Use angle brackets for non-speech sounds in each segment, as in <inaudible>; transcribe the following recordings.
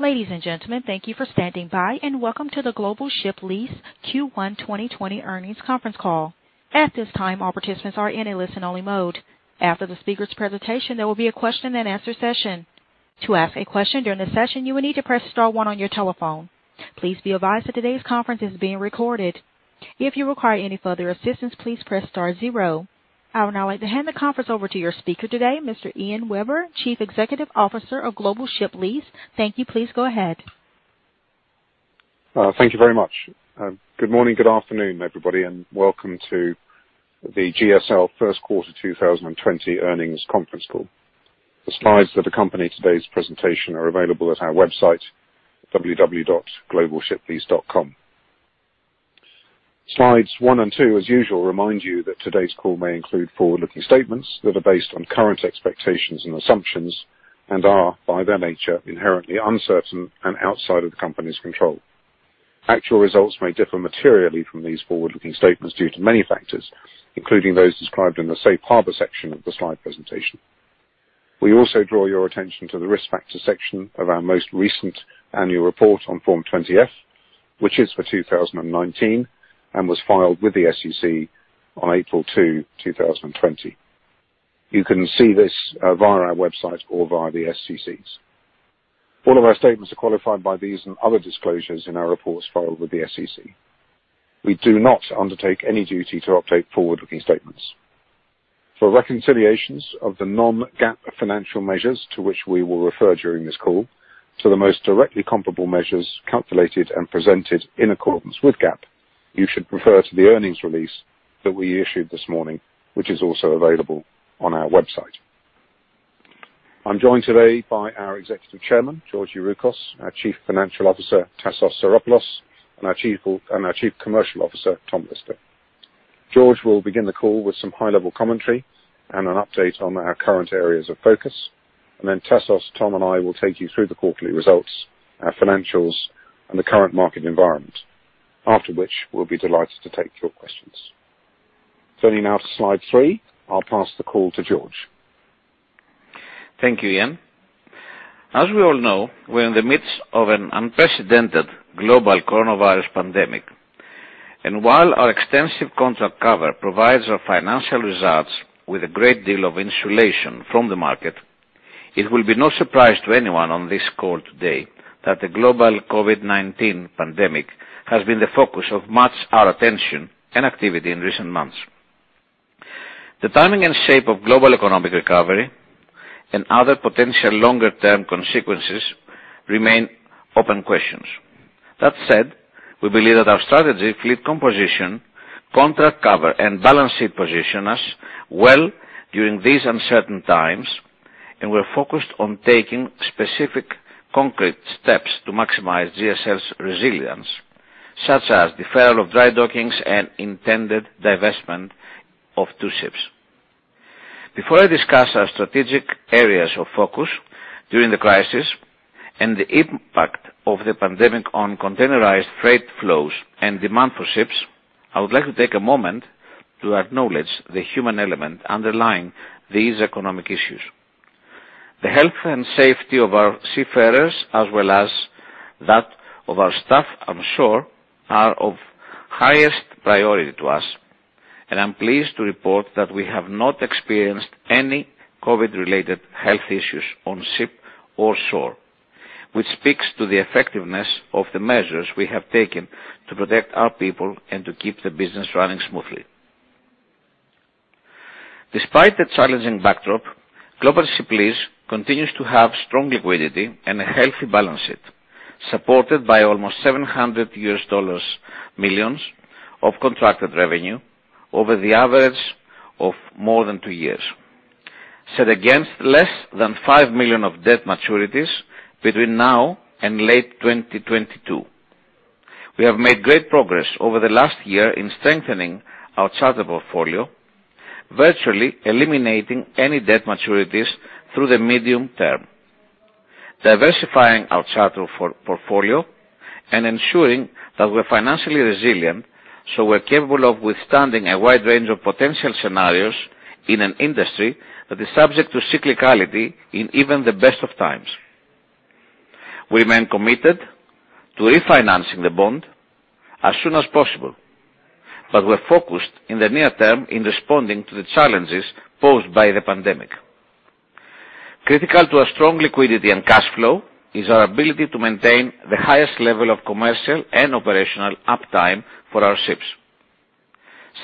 Ladies and gentlemen, thank you for standing by and welcome to the Global Ship Lease Q1 2020 earnings conference call. At this time, all participants are in a listen-only mode. After the speaker's presentation, there will be a Q&A session. To ask a question during the session, you will need to press star one on your telephone. Please be advised that today's conference is being recorded. If you require any further assistance, please press star zero. I would now like to hand the conference over to your speaker today, Mr. Ian Webber, Chief Executive Officer of Global Ship Lease. Thank you. Please go ahead. Thank you very much. Good morning, good afternoon, everybody, and welcome to the GSL First Quarter 2020 earnings conference call. The slides that accompany today's presentation are available at our website, www.globalshiplease.com. Slides one and two, as usual, remind you that today's call may include forward-looking statements that are based on current expectations and assumptions and are, by their nature, inherently uncertain and outside of the company's control. Actual results may differ materially from these forward-looking statements due to many factors, including those described in the Safe Harbor section of the slide presentation. We also draw your attention to the Risk Factor section of our most recent annual report on Form 20-F, which is for 2019 and was filed with the SEC on April 2, 2020. You can see this via our website or via the SEC's. All of our statements are qualified by these and other disclosures in our reports filed with the SEC. We do not undertake any duty to update forward-looking statements. For reconciliations of the non-GAAP financial measures to which we will refer during this call, to the most directly comparable measures calculated and presented in accordance with GAAP, you should refer to the earnings release that we issued this morning, which is also available on our website. I'm joined today by our Executive Chairman, George Youroukos, our Chief Financial Officer, Tassos Psaropoulos, and our Chief Commercial Officer, Tom Lister. George will begin the call with some high-level commentary and an update on our current areas of focus, and then Tassos, Tom, and I will take you through the quarterly results, our financials, and the current market environment, after which we'll be delighted to take your questions. Turning now to slide three, I'll pass the call to George. Thank you, Ian. As we all know, we're in the midst of an unprecedented global coronavirus pandemic, and while our extensive contract cover provides our financial results with a great deal of insulation from the market, it will be no surprise to anyone on this call today that the global COVID-19 pandemic has been the focus of much of our attention and activity in recent months. The timing and shape of global economic recovery and other potential longer-term consequences remain open questions. That said, we believe that our strategy, fleet composition, contract cover, and balance sheet position us well during these uncertain times, and we're focused on taking specific concrete steps to maximize GSL's resilience, such as the deferral of dry dockings and intended divestment of two ships. Before I discuss our strategic areas of focus during the crisis and the impact of the pandemic on containerized freight flows and demand for ships, I would like to take a moment to acknowledge the human element underlying these economic issues. The health and safety of our seafarers, as well as that of our staff and shore, are of highest priority to us, and I'm pleased to report that we have not experienced any COVID-related health issues on ship or shore, which speaks to the effectiveness of the measures we have taken to protect our people and to keep the business running smoothly. Despite the challenging backdrop, Global Ship Lease continues to have strong liquidity and a healthy balance sheet, supported by almost $700 million of contracted revenue over the average of more than two years, set against less than $5 million of debt maturities between now and late 2022. We have made great progress over the last year in strengthening our charter portfolio, virtually eliminating any debt maturities through the medium term, diversifying our charter portfolio, and ensuring that we're financially resilient so we're capable of withstanding a wide range of potential scenarios in an industry that is subject to cyclicality in even the best of times. We remain committed to refinancing the bond as soon as possible, but we're focused in the near term in responding to the challenges posed by the pandemic. Critical to our strong liquidity and cash flow is our ability to maintain the highest level of commercial and operational uptime for our ships.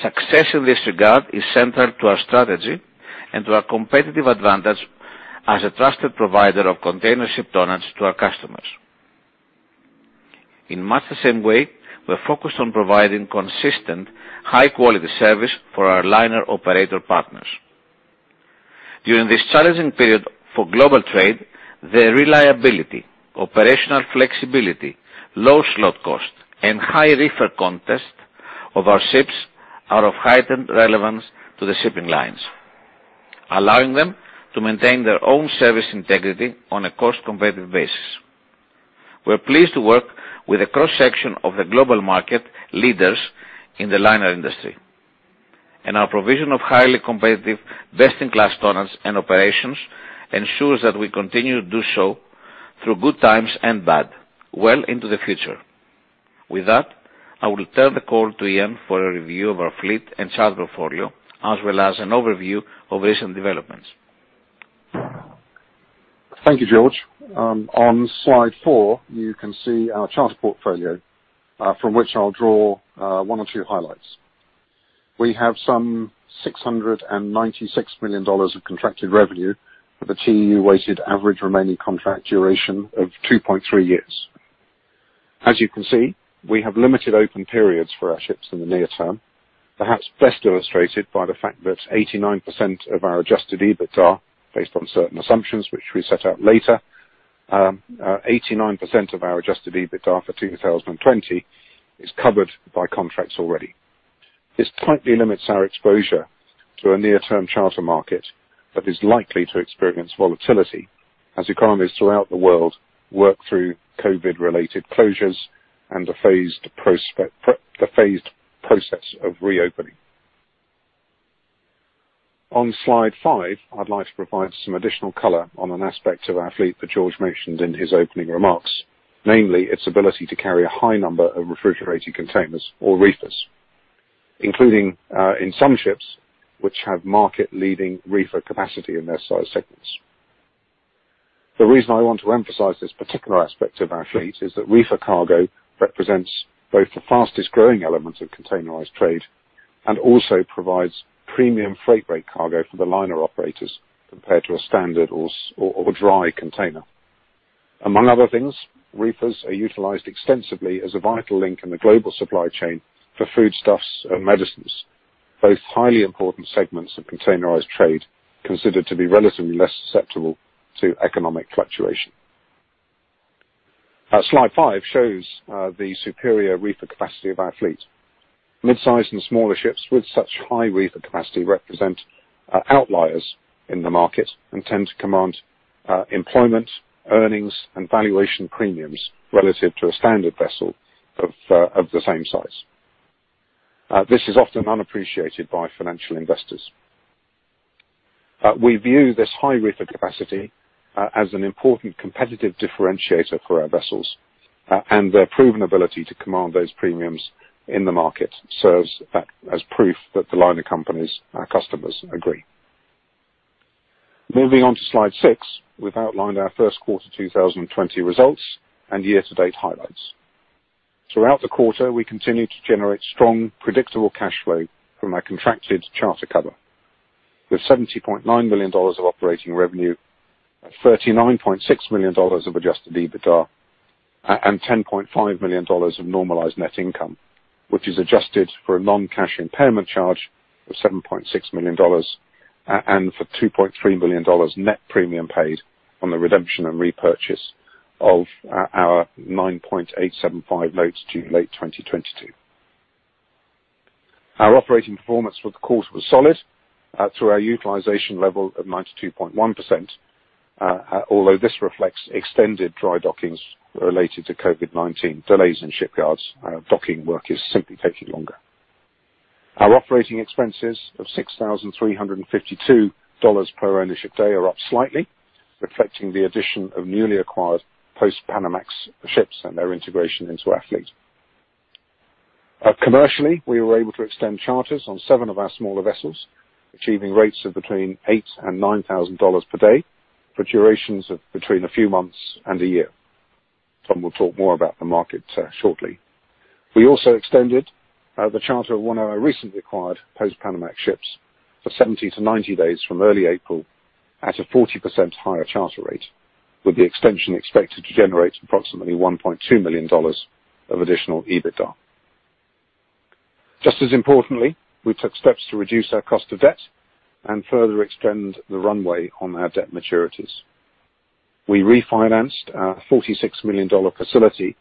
Success in this regard is central to our strategy and to our competitive advantage as a trusted provider of container ship tonnage to our customers. In much the same way, we're focused on providing consistent, high-quality service for our liner operator partners. During this challenging period for global trade, the reliability, operational flexibility, low slot cost, and high reefer content of our ships are of heightened relevance to the shipping lines, allowing them to maintain their own service integrity on a cost-competitive basis. We're pleased to work with a cross-section of the global market leaders in the liner industry, and our provision of highly competitive, best-in-class tonnage and operations ensures that we continue to do so through good times and bad, well into the future. With that, I will turn the call to Ian for a review of our fleet and charter portfolio, as well as an overview of recent developments. Thank you, George. On slide four, you can see our charter portfolio from which I'll draw one or two highlights. We have some $696 million of contracted revenue with a TEU-weighted average remaining contract duration of 2.3 years. As you can see, we have limited open periods for our ships in the near term, perhaps best illustrated by the fact that 89% of our adjusted EBITDA, based on certain assumptions which we set out later, 89% of our adjusted EBITDA for 2020 is covered by contracts already. This tightly limits our exposure to a near-term charter market that is likely to experience volatility as economies throughout the world work through COVID-related closures and the phased process of reopening. On slide five, I'd like to provide some additional color on an aspect of our fleet that George mentioned in his opening remarks, namely its ability to carry a high number of refrigerated containers or reefers, including in some ships which have market-leading reefer capacity in their size segments. The reason I want to emphasize this particular aspect of our fleet is that reefer cargo represents both the fastest-growing element of containerized trade and also provides premium freight rate cargo for the liner operators compared to a standard or dry container. Among other things, reefers are utilized extensively as a vital link in the global supply chain for foodstuffs and medicines, both highly important segments of containerized trade considered to be relatively less susceptible to economic fluctuation. Slide five shows the superior reefer capacity of our fleet. Mid-sized and smaller ships with such high reefer capacity represent outliers in the market and tend to command employment, earnings, and valuation premiums relative to a standard vessel of the same size. This is often underappreciated by financial investors. We view this high reefer capacity as an important competitive differentiator for our vessels, and their proven ability to command those premiums in the market serves as proof that the liner company's customers agree. Moving on to slide six, we've outlined our first quarter 2020 results and year-to-date highlights. Throughout the quarter, we continue to generate strong, predictable cash flow from our contracted charter cover, with $70.9 million of operating revenue, $39.6 million of Adjusted EBITDA, and $10.5 million of normalized net income, which is adjusted for a non-cash impairment charge of $7.6 million and for $2.3 million net premium paid on the redemption and repurchase of our 9.875 notes due 2022. Our operating performance for the quarter was solid through our utilization level of 92.1%, although this reflects extended dry dockings related to COVID-19 delays in shipyards. Docking work is simply taking longer. Our operating expenses of $6,352 per ownership day are up slightly, reflecting the addition of newly acquired Post-Panamax ships and their integration into our fleet. Commercially, we were able to extend charters on seven of our smaller vessels, achieving rates of between $8,000 and $9,000 per day for durations of between a few months and a year. Tom will talk more about the market shortly. We also extended the charter on our recently acquired post-Panamax ships for 70 to 90 days from early April at a 40% higher charter rate, with the extension expected to generate approximately $1.2 million of additional EBITDA. Just as importantly, we took steps to reduce our cost of debt and further extend the runway on our debt maturities. We refinanced our $46 million facility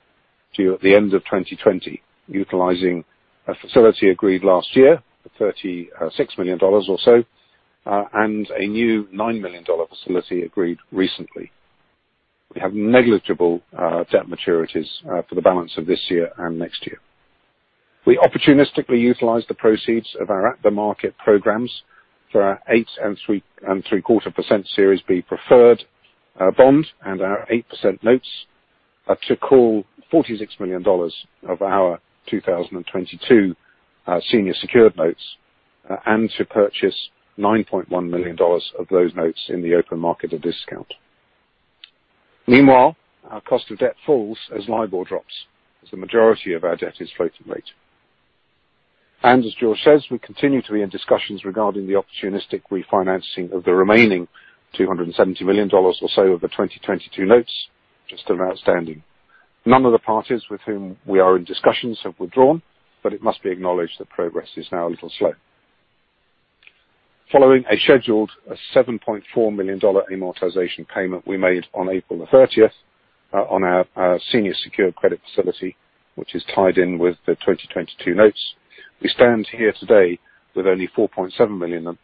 due at the end of 2020, utilizing a facility agreed last year for $36 million or so and a new $9 million facility agreed recently. We have negligible debt maturities for the balance of this year and next year. We opportunistically utilized the proceeds of our at-the-market programs for our 8 and 3/4% Series B preferred bond and our 8% notes to call $46 million of our 2022 senior secured notes and to purchase $9.1 million of those notes in the open market at discount. Meanwhile, our cost of debt falls as LIBOR drops as the majority of our debt is floating rate, and as George says, we continue to be in discussions regarding the opportunistic refinancing of the remaining $270 million or so of the 2022 notes just outstanding. None of the parties with whom we are in discussions have withdrawn, but it must be acknowledged that progress is now a little slow. Following a scheduled $7.4 million amortization payment we made on April the 30th on our senior secured credit facility, which is tied in with the 2022 notes, we stand here today with only $4.7 million of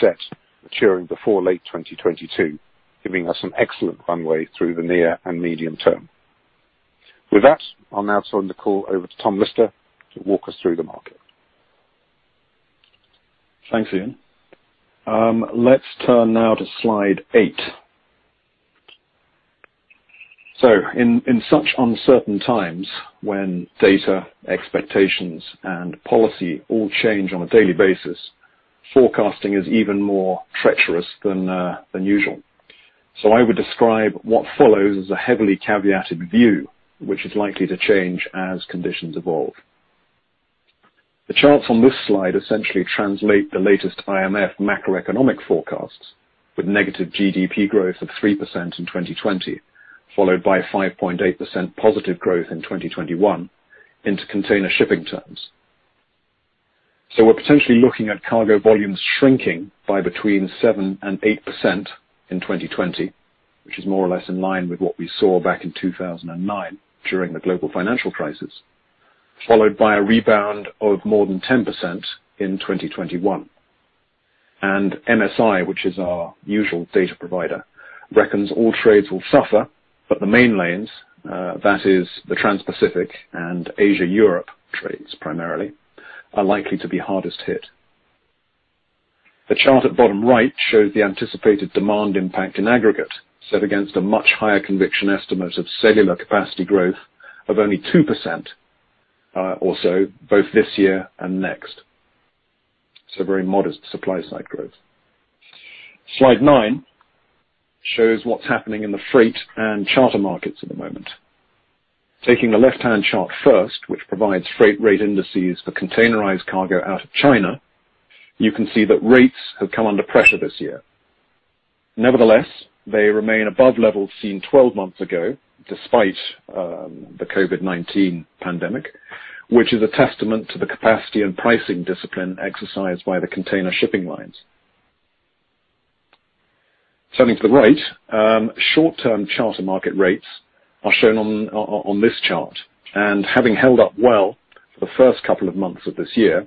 debt maturing before late 2022, giving us an excellent runway through the near and medium term. With that, I'll now turn the call over to Tom Lister to walk us through the market. Thanks, Ian. Let's turn now to slide eight. So in such uncertain times when data, expectations, and policy all change on a daily basis, forecasting is even more treacherous than usual. So I would describe what follows as a heavily caveated view, which is likely to change as conditions evolve. The charts on this slide essentially translate the latest IMF macroeconomic forecasts with negative GDP growth of 3% in 2020, followed by 5.8% positive growth in 2021 into container shipping terms. So we're potentially looking at cargo volumes shrinking by between 7% and 8% in 2020, which is more or less in line with what we saw back in 2009 during the global financial crisis, followed by a rebound of more than 10% in 2021. MSI, which is our usual data provider, reckons all trades will suffer, but the main lanes, that is the Trans-Pacific and Asia-Europe trades primarily, are likely to be hardest hit. The chart at bottom right shows the anticipated demand impact in aggregate, set against a much higher conviction estimate of cellular capacity growth of only 2% or so both this year and next. Very modest supply-side growth. Slide nine shows what's happening in the freight and charter markets at the moment. Taking the left-hand chart first, which provides freight rate indices for containerized cargo out of China, you can see that rates have come under pressure this year. Nevertheless, they remain above levels seen 12 months ago despite the COVID-19 pandemic, which is a testament to the capacity and pricing discipline exercised by the container shipping lines. Turning to the right, short-term charter market rates are shown on this chart, and having held up well for the first couple of months of this year,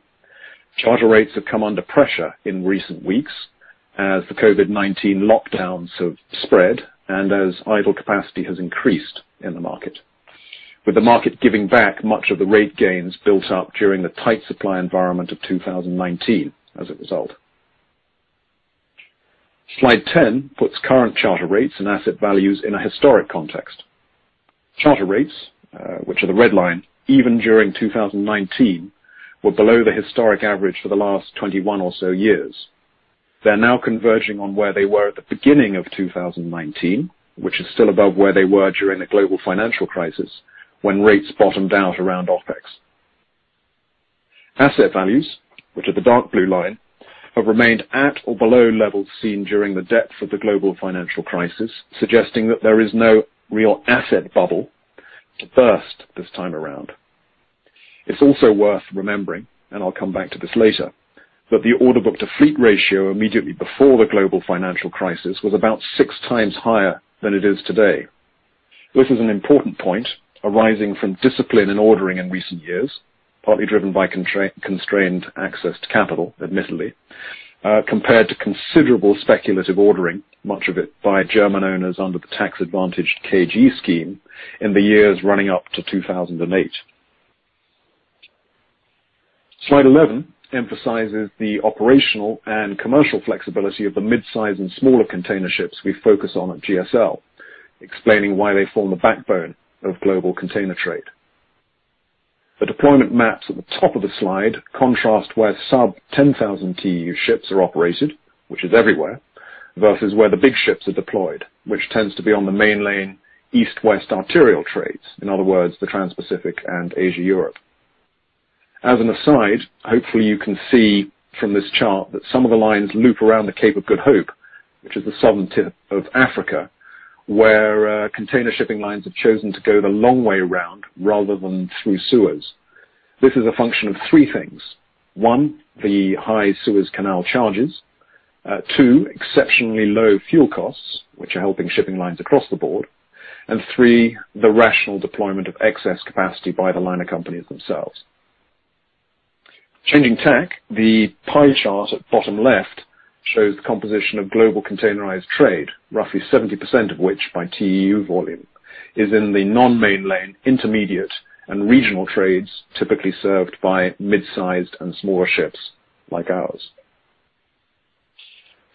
charter rates have come under pressure in recent weeks as the COVID-19 lockdowns have spread and as idle capacity has increased in the market, with the market giving back much of the rate gains built up during the tight supply environment of 2019 as a result. Slide 10 puts current charter rates and asset values in a historic context. Charter rates, which are the red line, even during 2019 were below the historic average for the last 21 or so years. They're now converging on where they were at the beginning of 2019, which is still above where they were during the global financial crisis when rates bottomed out around OpEx. Asset values, which are the dark blue line, have remained at or below levels seen during the depth of the global financial crisis, suggesting that there is no real asset bubble to burst this time around. It's also worth remembering, and I'll come back to this later, that the order book to fleet ratio immediately before the global financial crisis was about six times higher than it is today. This is an important point arising from discipline in ordering in recent years, partly driven by constrained access to capital, admittedly, compared to considerable speculative ordering, much of it by German owners under the tax-advantaged KG scheme in the years running up to 2008. Slide 11 emphasizes the operational and commercial flexibility of the mid-size and smaller container ships we focus on at GSL, explaining why they form the backbone of global container trade. The deployment maps at the top of the slide contrast where sub-10,000 TEU ships are operated, which is everywhere, versus where the big ships are deployed, which tends to be on the main lane East-West arterial trades, in other words, the Trans-Pacific and Asia-Europe. As an aside, hopefully you can see from this chart that some of the lines loop around the Cape of Good Hope, which is the southern tip of Africa, where container shipping lines have chosen to go the long way around rather than through the Suez. This is a function of three things: one, the high Suez Canal charges; two, exceptionally low fuel costs, which are helping shipping lines across the board; and three, the rational deployment of excess capacity by the liner companies themselves. Changing tack, the pie chart at bottom left shows the composition of global containerized trade, roughly 70% of which by TEU volume is in the non-main lane, intermediate and regional trades typically served by mid-sized and smaller ships like ours.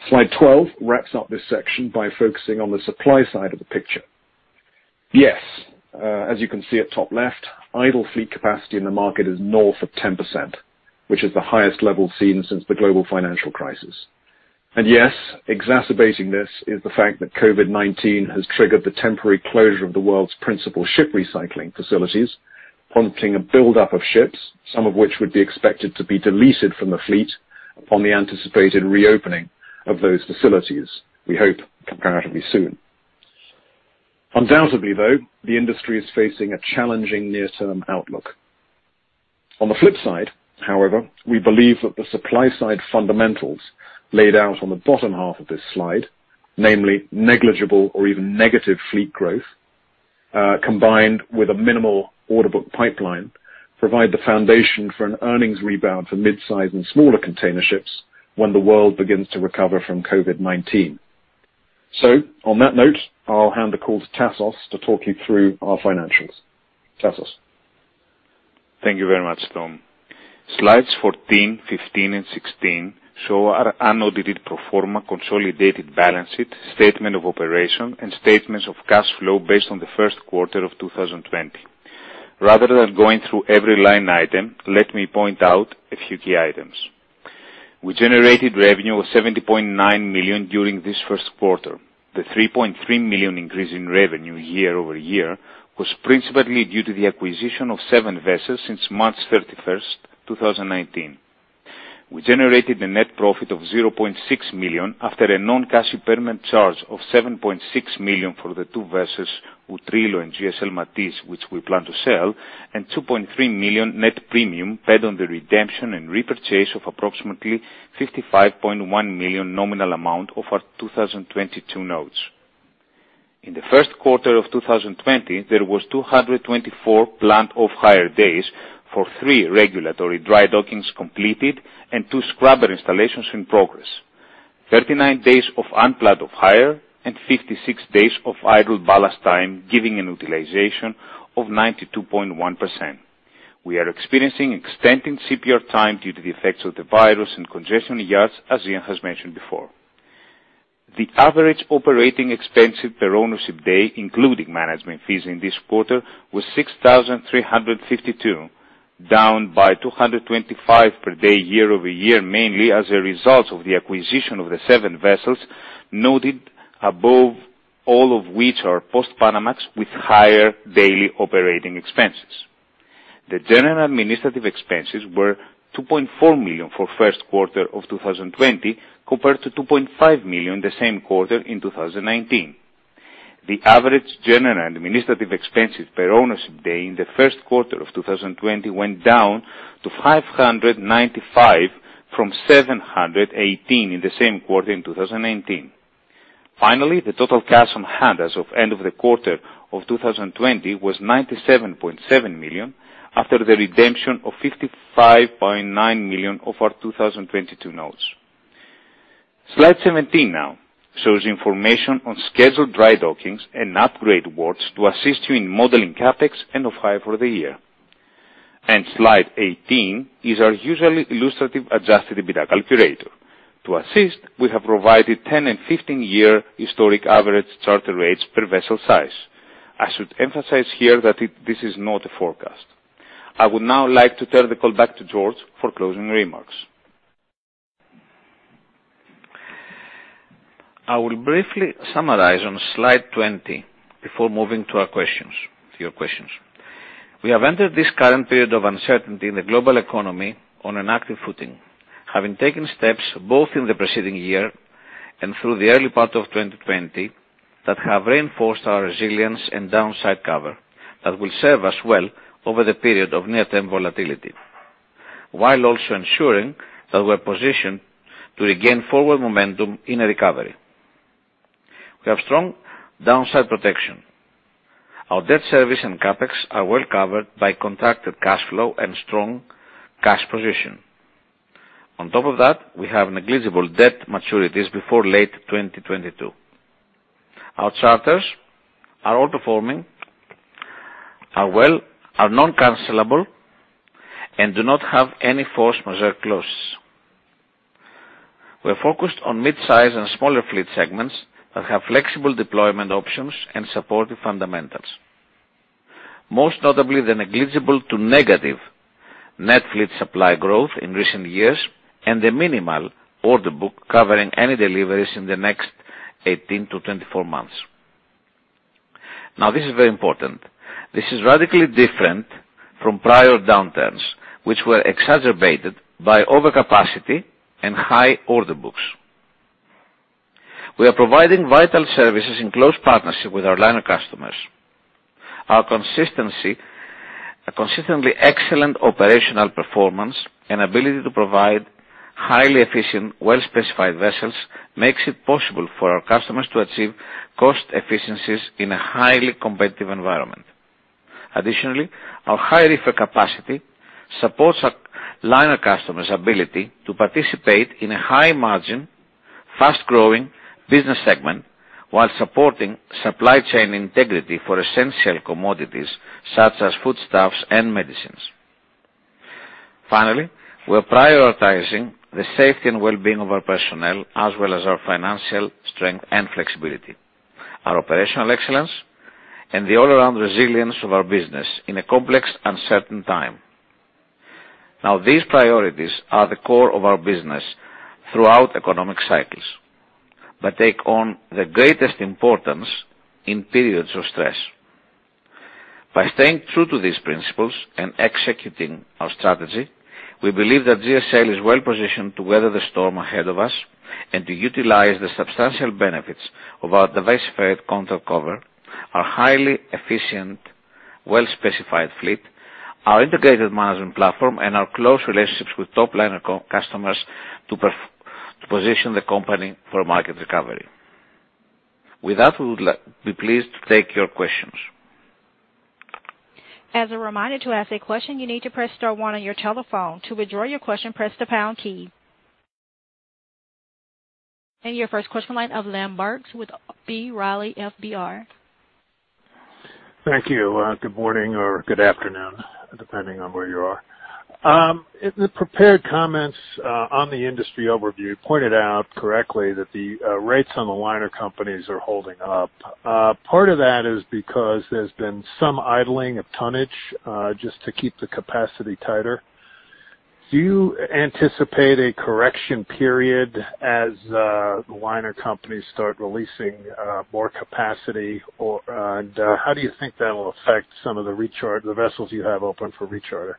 Slide 12 wraps up this section by focusing on the supply side of the picture. Yes, as you can see at top left, idle fleet capacity in the market is north of 10%, which is the highest level seen since the global financial crisis. And yes, exacerbating this is the fact that COVID-19 has triggered the temporary closure of the world's principal ship recycling facilities, prompting a buildup of ships, some of which would be expected to be deleted from the fleet upon the anticipated reopening of those facilities, we hope comparatively soon. Undoubtedly, though, the industry is facing a challenging near-term outlook. On the flip side, however, we believe that the supply-side fundamentals laid out on the bottom half of this slide, namely negligible or even negative fleet growth combined with a minimal order book pipeline, provide the foundation for an earnings rebound for mid-size and smaller container ships when the world begins to recover from COVID-19. So on that note, I'll hand the call to Tassos to talk you through our financials. Tassos. Thank you very much, Tom. Slides 14, 15, and 16 show our unaudited pro forma, consolidated balance sheet, statement of operations, and statement of cash flows based on the first quarter of 2020. Rather than going through every line item, let me point out a few key items. We generated revenue of $70.9 million during this first quarter. The $3.3 million increase in revenue year over year was principally due to the acquisition of seven vessels since March 31st, 2019. We generated a net profit of $0.6 million after a non-cash impairment charge of $7.6 million for the two vessels Utrillo and GSL Matisse, which we plan to sell, and $2.3 million net premium paid on the redemption and repurchase of approximately $55.1 million nominal amount of our 2022 notes. In the first quarter of 2020, there were 224 planned off-hire days for three regulatory dry dockings completed and two scrubber installations in progress, 39 days of unplanned off-hire, and 56 days of idle ballast time, giving an utilization of 92.1%. We are experiencing extending CPR time due to the effects of the virus and congestion in yards, as Ian has mentioned before. The average operating expense per ownership day, including management fees in this quarter, was $6,352, down by $225 per day year over year, mainly as a result of the acquisition of the seven vessels noted above, all of which are post-Panamax with higher daily operating expenses. The general administrative expenses were $2.4 million for the first quarter of 2020 compared to $2.5 million the same quarter in 2019. The average general administrative expenses per ownership day in the first quarter of 2020 went down to $595 from $718 in the same quarter in 2019. Finally, the total cash on hand as of end of the quarter of 2020 was $97.7 million after the redemption of $55.9 million of our 2022 notes. Slide 17 now shows information on scheduled dry dockings and upgrades to assist you in modeling CapEx and off-hire for the year. Slide 18 is our usual illustrative adjusted EBITDA calculator. To assist, we have provided 10- and 15-year historic average charter rates per vessel size. I should emphasize here that this is not a forecast. I would now like to turn the call back to George for closing remarks. I will briefly summarize on slide 20 before moving to your questions. We have entered this current period of uncertainty in the global economy on an active footing, having taken steps both in the preceding year and through the early part of 2020 that have reinforced our resilience and downside cover that will serve us well over the period of near-term volatility, while also ensuring that we're positioned to regain forward momentum in a recovery. We have strong downside protection. Our debt service and CapEx are well covered by contracted cash flow and strong cash position. On top of that, we have negligible debt maturities before late 2022. Our charters are all performing, are non-cancellable, and do not have any force majeure clauses. We're focused on mid-size and smaller fleet segments that have flexible deployment options and supportive fundamentals, most notably the negligible to negative net fleet supply growth in recent years and the minimal order book covering any deliveries in the next 18 to 24 months. Now, this is very important. This is radically different from prior downturns, which were exacerbated by overcapacity and high order books. We are providing vital services in close partnership with our liner customers. Our consistently excellent operational performance and ability to provide highly efficient, well-specified vessels makes it possible for our customers to achieve cost efficiencies in a highly competitive environment. Additionally, our high reefer capacity supports our liner customers' ability to participate in a high-margin, fast-growing business segment while supporting supply chain integrity for essential commodities such as foodstuffs and medicines. Finally, we're prioritizing the safety and well-being of our personnel as well as our financial strength and flexibility, our operational excellence, and the all-around resilience of our business in a complex, uncertain time. Now, these priorities are the core of our business throughout economic cycles, but take on the greatest importance in periods of stress. By staying true to these principles and executing our strategy, we believe that GSL is well-positioned to weather the storm ahead of us and to utilize the substantial benefits of our diversified contract cover, our highly efficient, well-specified fleet, our integrated management platform, and our close relationships with top-tier customers to position the company for market recovery. With that, we would be pleased to take your questions. As a reminder to ask a question, you need to press star one on your telephone. To withdraw your question, press the pound key. And your first question, Liam Burke with B. Riley FBR. Thank you. Good morning or good afternoon, depending on where you are. The prepared comments on the industry overview pointed out correctly that the rates on the liner companies are holding up. Part of that is because there's been some idling of tonnage just to keep the capacity tighter. Do you anticipate a correction period as the liner companies start releasing more capacity, and how do you think that will affect some of the vessels you have open for recharter?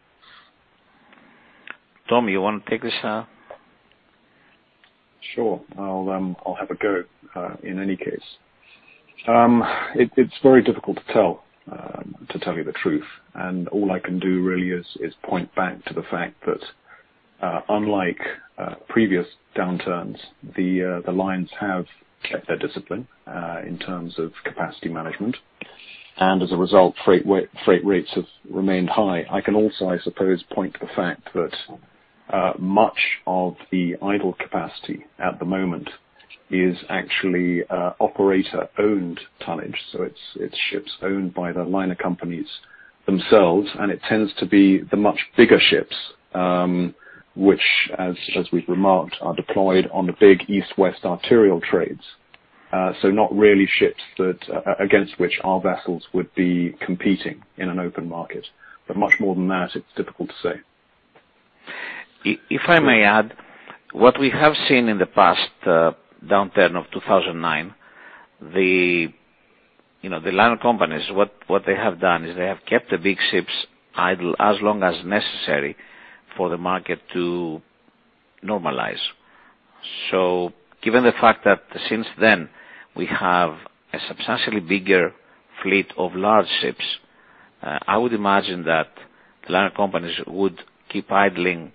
Tom, you want to take this? Sure. I'll have a go in any case. It's very difficult to tell, to tell you the truth. And all I can do really is point back to the fact that, unlike previous downturns, the lines have kept their discipline in terms of capacity management. And as a result, freight rates have remained high. I can also, I suppose, point to the fact that much of the idle capacity at the moment is actually operator-owned tonnage. So it's ships owned by the liner companies themselves, and it tends to be the much bigger ships, which, as we've remarked, are deployed on the big east-west arterial trades. So not really ships against which our vessels would be competing in an open market. But much more than that, it's difficult to say. If I may add, what we have seen in the past downturn of 2009, the liner companies, what they have done is they have kept the big ships idle as long as necessary for the market to normalize. So given the fact that since then we have a substantially bigger fleet of large ships, I would imagine that the liner companies would keep idling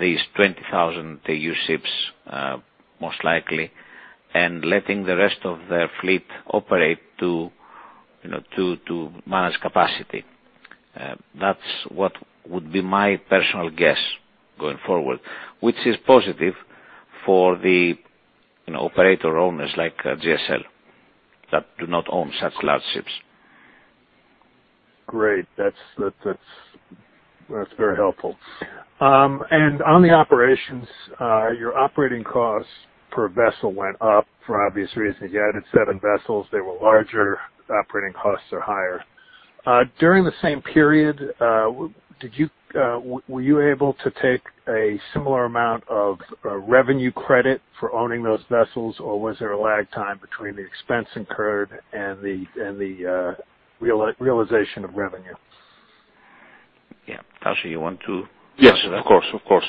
these 20,000 TEU ships most likely and letting the rest of their fleet operate to manage capacity. That's what would be my personal guess going forward, which is positive for the operator owners like GSL that do not own such large ships. Great. That's very helpful. And on the operations, your operating costs per vessel went up for obvious reasons. You added seven vessels, they were larger, operating costs are higher. During the same period, were you able to take a similar amount of revenue credit for owning those vessels, or was there a lag time between the expense incurred and the realization of revenue? Yeah. Tasso, you want to answer that? Yes, of course. Of course.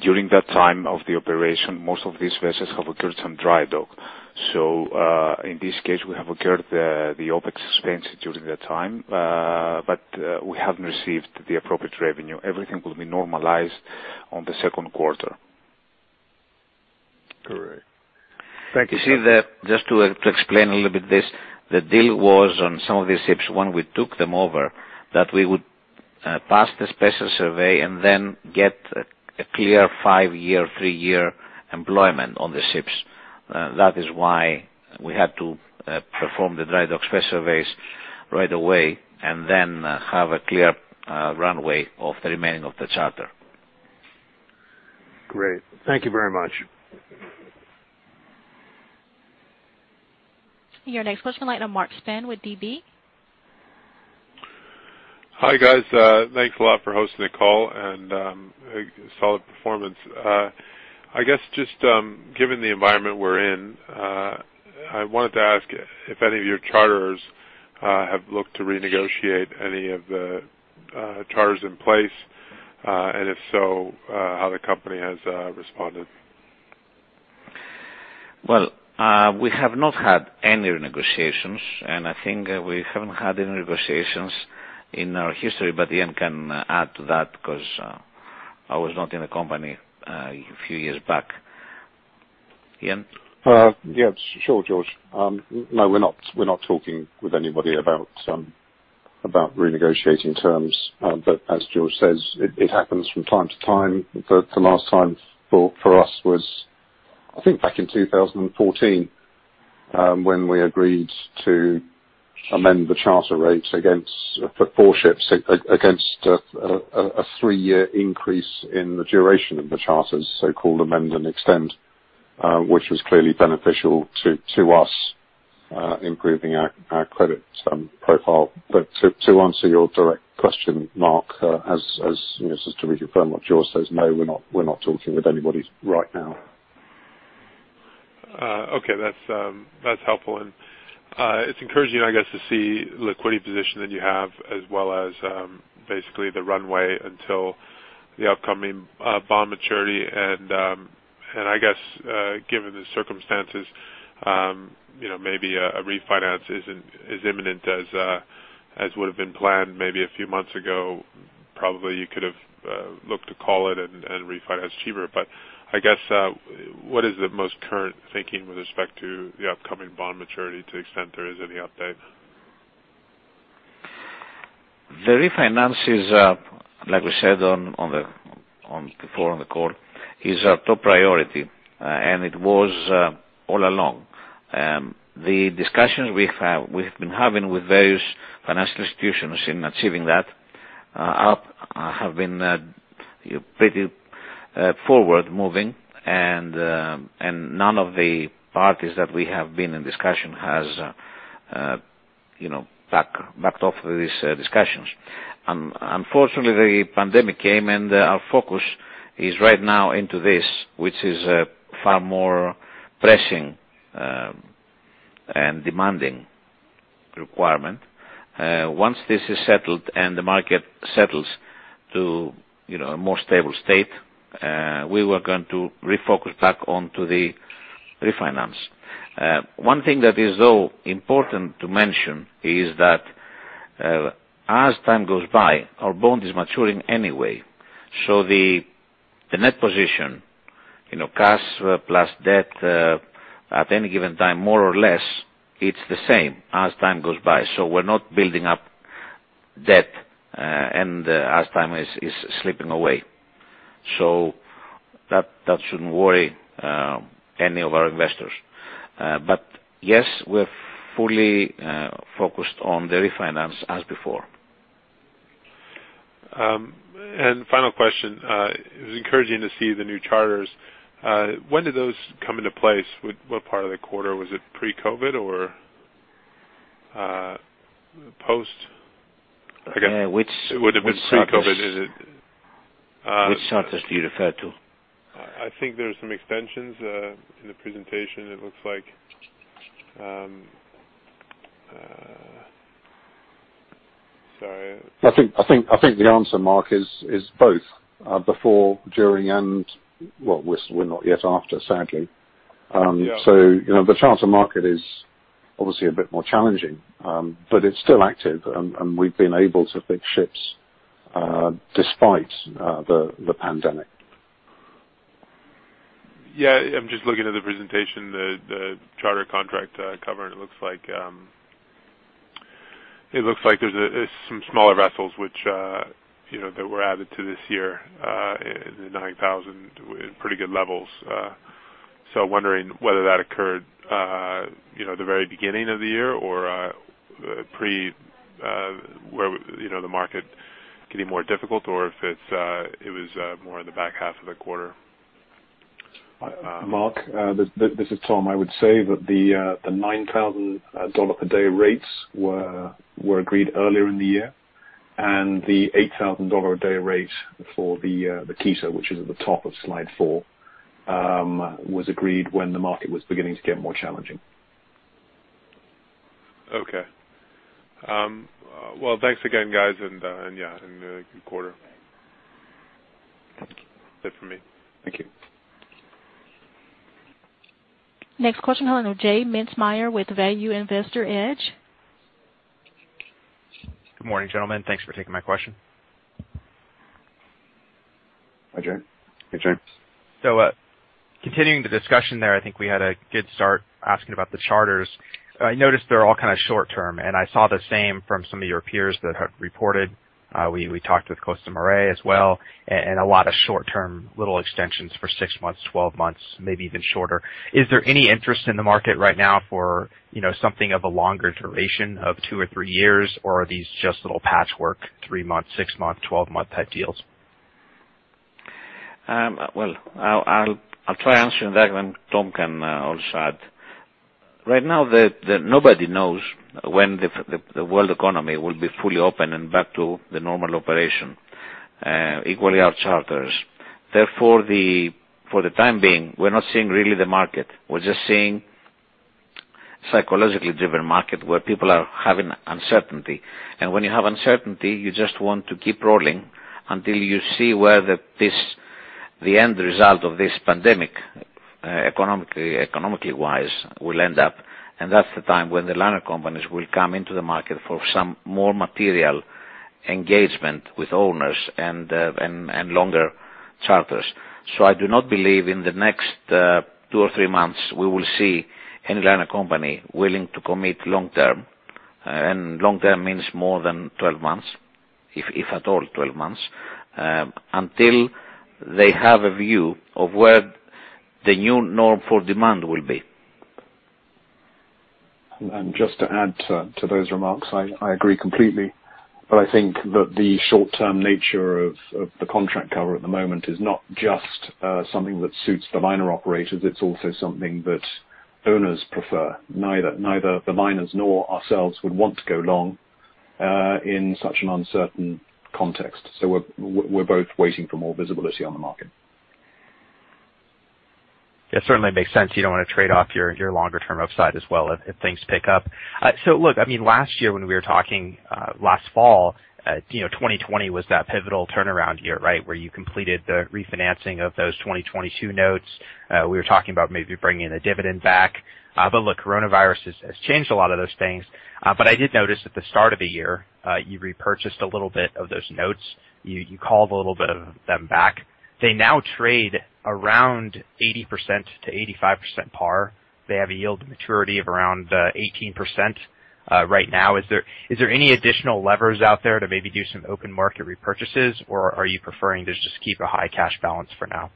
During that time of the operation, most of these vessels have occurred some dry docking. So in this case, we have occurred the OpEx expense during that time, but we haven't received the appropriate revenue. Everything will be normalized on the second quarter. Correct. You see that just to explain a little bit this, the deal was on some of these ships, when we took them over, that we would pass the special survey and then get a clear five-year, three-year employment on the ships. That is why we had to perform the dry dock special surveys right away and then have a clear runway of the remaining of the charter. Great. Thank you very much. Your next question. Line of Mark Spann with DB. Hi guys. Thanks a lot for hosting the call and solid performance. I guess just given the environment we're in, I wanted to ask if any of your charters have looked to renegotiate any of the charters in place, and if so, how the company has responded? We have not had any renegotiations, and I think we haven't had any renegotiations in our history, but Ian can add to that because I was not in the company a few years back. Ian? Yeah. Sure, George. No, we're not talking with anybody about renegotiating terms, but as George says, it happens from time to time. The last time for us was, I think, back in 2014 when we agreed to amend the charter rates against four ships against a three-year increase in the duration of the charters, so-called amend and extend, which was clearly beneficial to us, improving our credit profile. But to answer your direct question, Mark, just to reaffirm what George says, no, we're not talking with anybody right now. Okay. That's helpful. And it's encouraging, I guess, to see the liquidity position that you have as well as basically the runway until the upcoming bond maturity. And I guess given the circumstances, maybe a refinance is imminent as would have been planned maybe a few months ago. Probably you could have looked to call it and refinance cheaper. But I guess what is the most current thinking with respect to the upcoming bond maturity to the extent there is any update? The refinance is, like we said before on the call, is our top priority, and it was all along. The discussions we've been having with various financial institutions in achieving that have been pretty forward-moving, and none of the parties that we have been in discussion has backed off these discussions. Unfortunately, the pandemic came, and our focus is right now into this, which is a far more pressing and demanding requirement. Once this is settled and the market settles to a more stable state, we were going to refocus back onto the refinance. One thing that is, though, important to mention is that as time goes by, our bond is maturing anyway. So the net position, cash plus debt, at any given time, more or less, it's the same as time goes by. So we're not building up debt as time is slipping away. So that shouldn't worry any of our investors. But yes, we're fully focused on the refinance as before. Final question. It was encouraging to see the new charters. When did those come into place? What part of the quarter? Was it pre-COVID or post? I guess it would have been pre-COVID. Which charters do you refer to? I think there's some extensions in the presentation, it looks like. Sorry. I think the answer, Mark, is both before, during, and, well, we're not yet after, sadly. So the charter market is obviously a bit more challenging, but it's still active, and we've been able to fix ships despite the pandemic. Yeah. I'm just looking at the presentation, the charter contract cover. It looks like there's some smaller vessels that were added to this year in the 9,000 with pretty good levels. So I'm wondering whether that occurred at the very beginning of the year or pre the market getting more difficult or if it was more in the back half of the quarter? Mark, this is Tom. I would say that the $9,000 a day rates were agreed earlier in the year, and the $8,000 a day rate for the Kiso, which is at the top of slide four, was agreed when the market was beginning to get more challenging. Okay. Well, thanks again, guys, and yeah, and a good quarter. That's it for me. Thank you. Next question, J. Mintzmyer with Value Investor Edge. Good morning, gentlemen. Thanks for taking my question. Hi, Jay. So continuing the discussion there, I think we had a good start asking about the charters. I noticed they're all kind of short-term, and I saw the same from some of your peers that had reported. We talked with Costamare as well, and a lot of short-term little extensions for six months, twelve months, maybe even shorter. Is there any interest in the market right now for something of a longer duration of two or three years, or are these just little patchwork three-month, six-month, twelve-month type deals? I'll try answering that when Tom can also add. Right now, nobody knows when the world economy will be fully open and back to the normal operation, equally our charters. Therefore, for the time being, we're not seeing really the market. We're just seeing a psychologically driven market where people are having uncertainty. And when you have uncertainty, you just want to keep rolling until you see where the end result of this pandemic, economically wise, will end up. And that's the time when the liner companies will come into the market for some more material engagement with owners and longer charters. So I do not believe in the next two or three months we will see any liner company willing to commit long-term, and long-term means more than twelve months, if at all twelve months, until they have a view of where the new norm for demand will be. Just to add to those remarks, I agree completely. But I think that the short-term nature of the contract cover at the moment is not just something that suits the liner operators. It's also something that owners prefer. Neither the liners nor ourselves would want to go long in such an uncertain context. So we're both waiting for more visibility on the market. Yeah. Certainly makes sense. You don't want to trade off your longer-term upside as well if things pick up. So look, I mean, last year when we were talking last fall, 2020 was that pivotal turnaround year, right, where you completed the refinancing of those 2022 notes. We were talking about maybe bringing the dividend back. But look, coronavirus has changed a lot of those things. But I did notice at the start of the year, you repurchased a little bit of those notes. You called a little bit of them back. They now trade around 80%-85% par. They have a yield maturity of around 18% right now. Is there any additional levers out there to maybe do some open market repurchases, or are you preferring to just keep a high cash balance for now?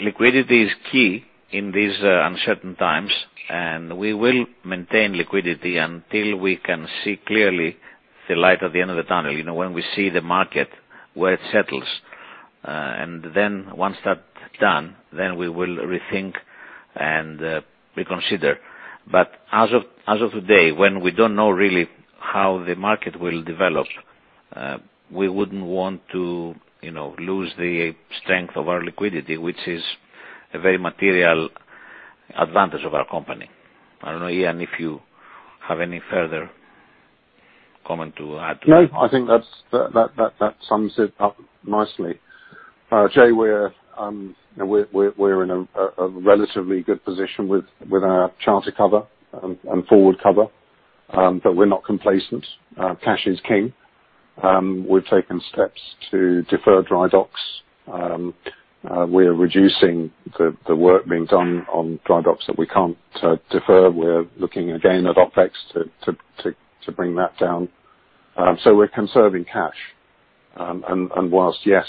Liquidity is key in these uncertain times, and we will maintain liquidity until we can see clearly the light at the end of the tunnel, when we see the market where it settles. Once that's done, then we will rethink and reconsider. As of today, when we don't know really how the market will develop, we wouldn't want to lose the strength of our liquidity, which is a very material advantage of our company. I don't know, Ian, if you have any further comment to add? No. I think that sums it up nicely. Jay, we're in a relatively good position with our charter cover and forward cover, but we're not complacent. Cash is king. We've taken steps to defer dry docks. We're reducing the work being done on dry docks that we can't defer. We're looking again at OpEx to bring that down. So we're conserving cash. And while, yes,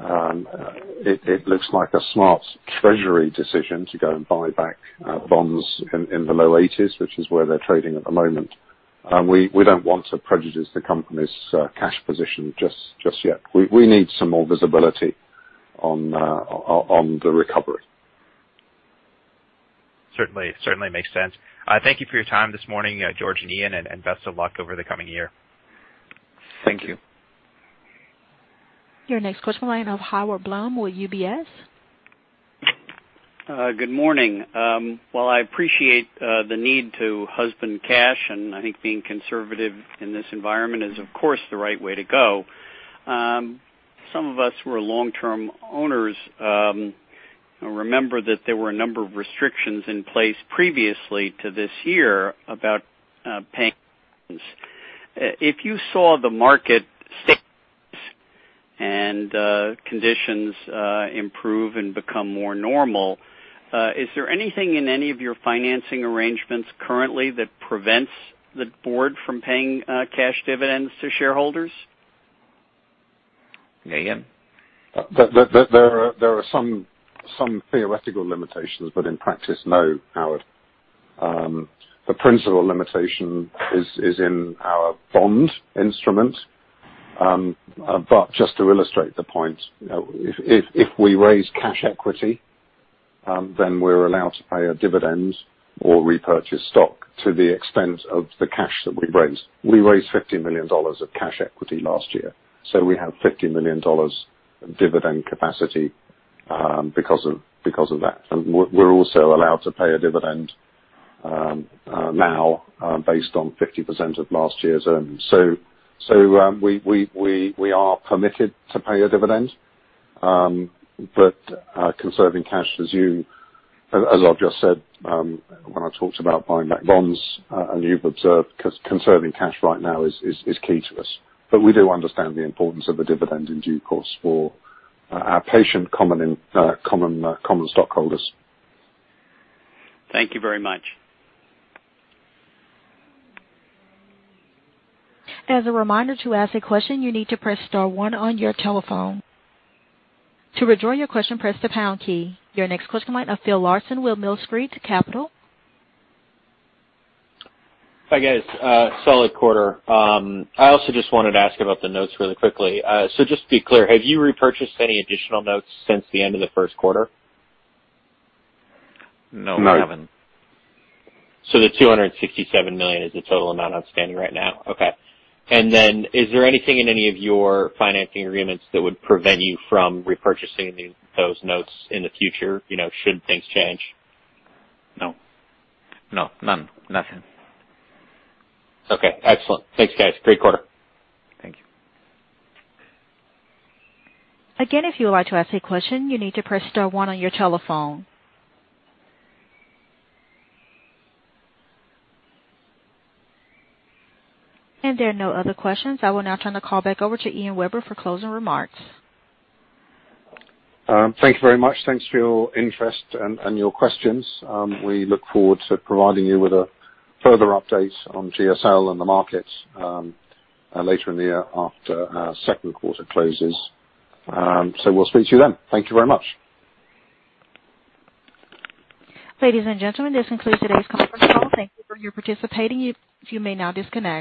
it looks like a smart treasury decision to go and buy back bonds in the low 80s, which is where they're trading at the moment, we don't want to prejudice the company's cash position just yet. We need some more visibility on the recovery. Certainly makes sense. Thank you for your time this morning, George and Ian, and best of luck over the coming year. Thank you. Your next question from Howard Bloom with UBS. Good morning. Well, I appreciate the need to husband cash, and I think being conservative in this environment is, of course, the right way to go. Some of us who are long-term owners remember that there were a number of restrictions in place previously to this year about paying dividends. If you saw the market stabilize and conditions improve and become more normal, is there anything in any of your financing arrangements currently that prevents the board from paying cash dividends to shareholders? Yeah, Ian. There are some theoretical limitations, but in practice, no, Howard. The principal limitation is in our bond instrument. But just to illustrate the point, if we raise cash equity, then we're allowed to pay a dividend or repurchase stock to the extent of the cash that we raised. We raised $50 million of cash equity last year. So we have $50 million dividend capacity because of that. And we're also allowed to pay a dividend now based on 50% of last year's earnings. So we are permitted to pay a dividend, but conserving cash, as you, as I've just said when I talked about buying back bonds, and you've observed conserving cash right now is key to us. But we do understand the importance of the dividend in due course for our patient common stockholders. Thank you very much. As a reminder to ask a question, you need to press star one on your telephone. To withdraw your question, press the pound key. Your next question from Phil Larson with Millstreet Capital. Hi, guys. Solid quarter. I also just wanted to ask about the notes really quickly. So just to be clear, have you repurchased any additional notes since the end of the first quarter? No. I haven't. <crosstalk> So the $267 million is the total amount outstanding right now? Okay. And then is there anything in any of your financing agreements that would prevent you from repurchasing those notes in the future should things change? No. No. None. Nothing. Okay. Excellent. Thanks, guys. Great quarter. Thank you. Again, if you would like to ask a question, you need to press star one on your telephone. And there are no other questions. I will now turn the call back over to Ian Webber for closing remarks. Thank you very much. Thanks for your interest and your questions. We look forward to providing you with a further update on GSL and the markets later in the year after our second quarter closes. So we'll speak to you then. Thank you very much. Ladies and gentlemen, this concludes today's conference call. Thank you for participating. You may now disconnect.